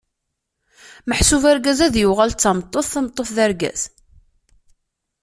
Meḥsub argaz ad d-yuɣal d tameṭṭut, tameṭṭut d argaz.